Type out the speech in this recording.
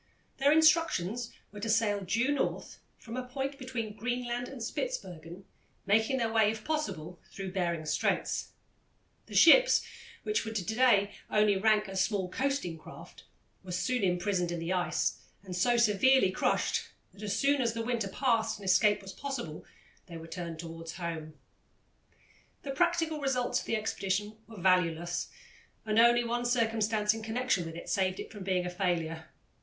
Their instructions were to sail due North, from a point between Greenland and Spitzbergen, making their way, if possible, through Behring's Straits. The ships, which would to day only rank as small coasting craft, were soon imprisoned in the ice and so severely crushed that as soon as the winter passed and escape was possible, they were turned towards home. The practical results of the expedition were valueless, and only one circumstance in connection with it saved it from being a failure.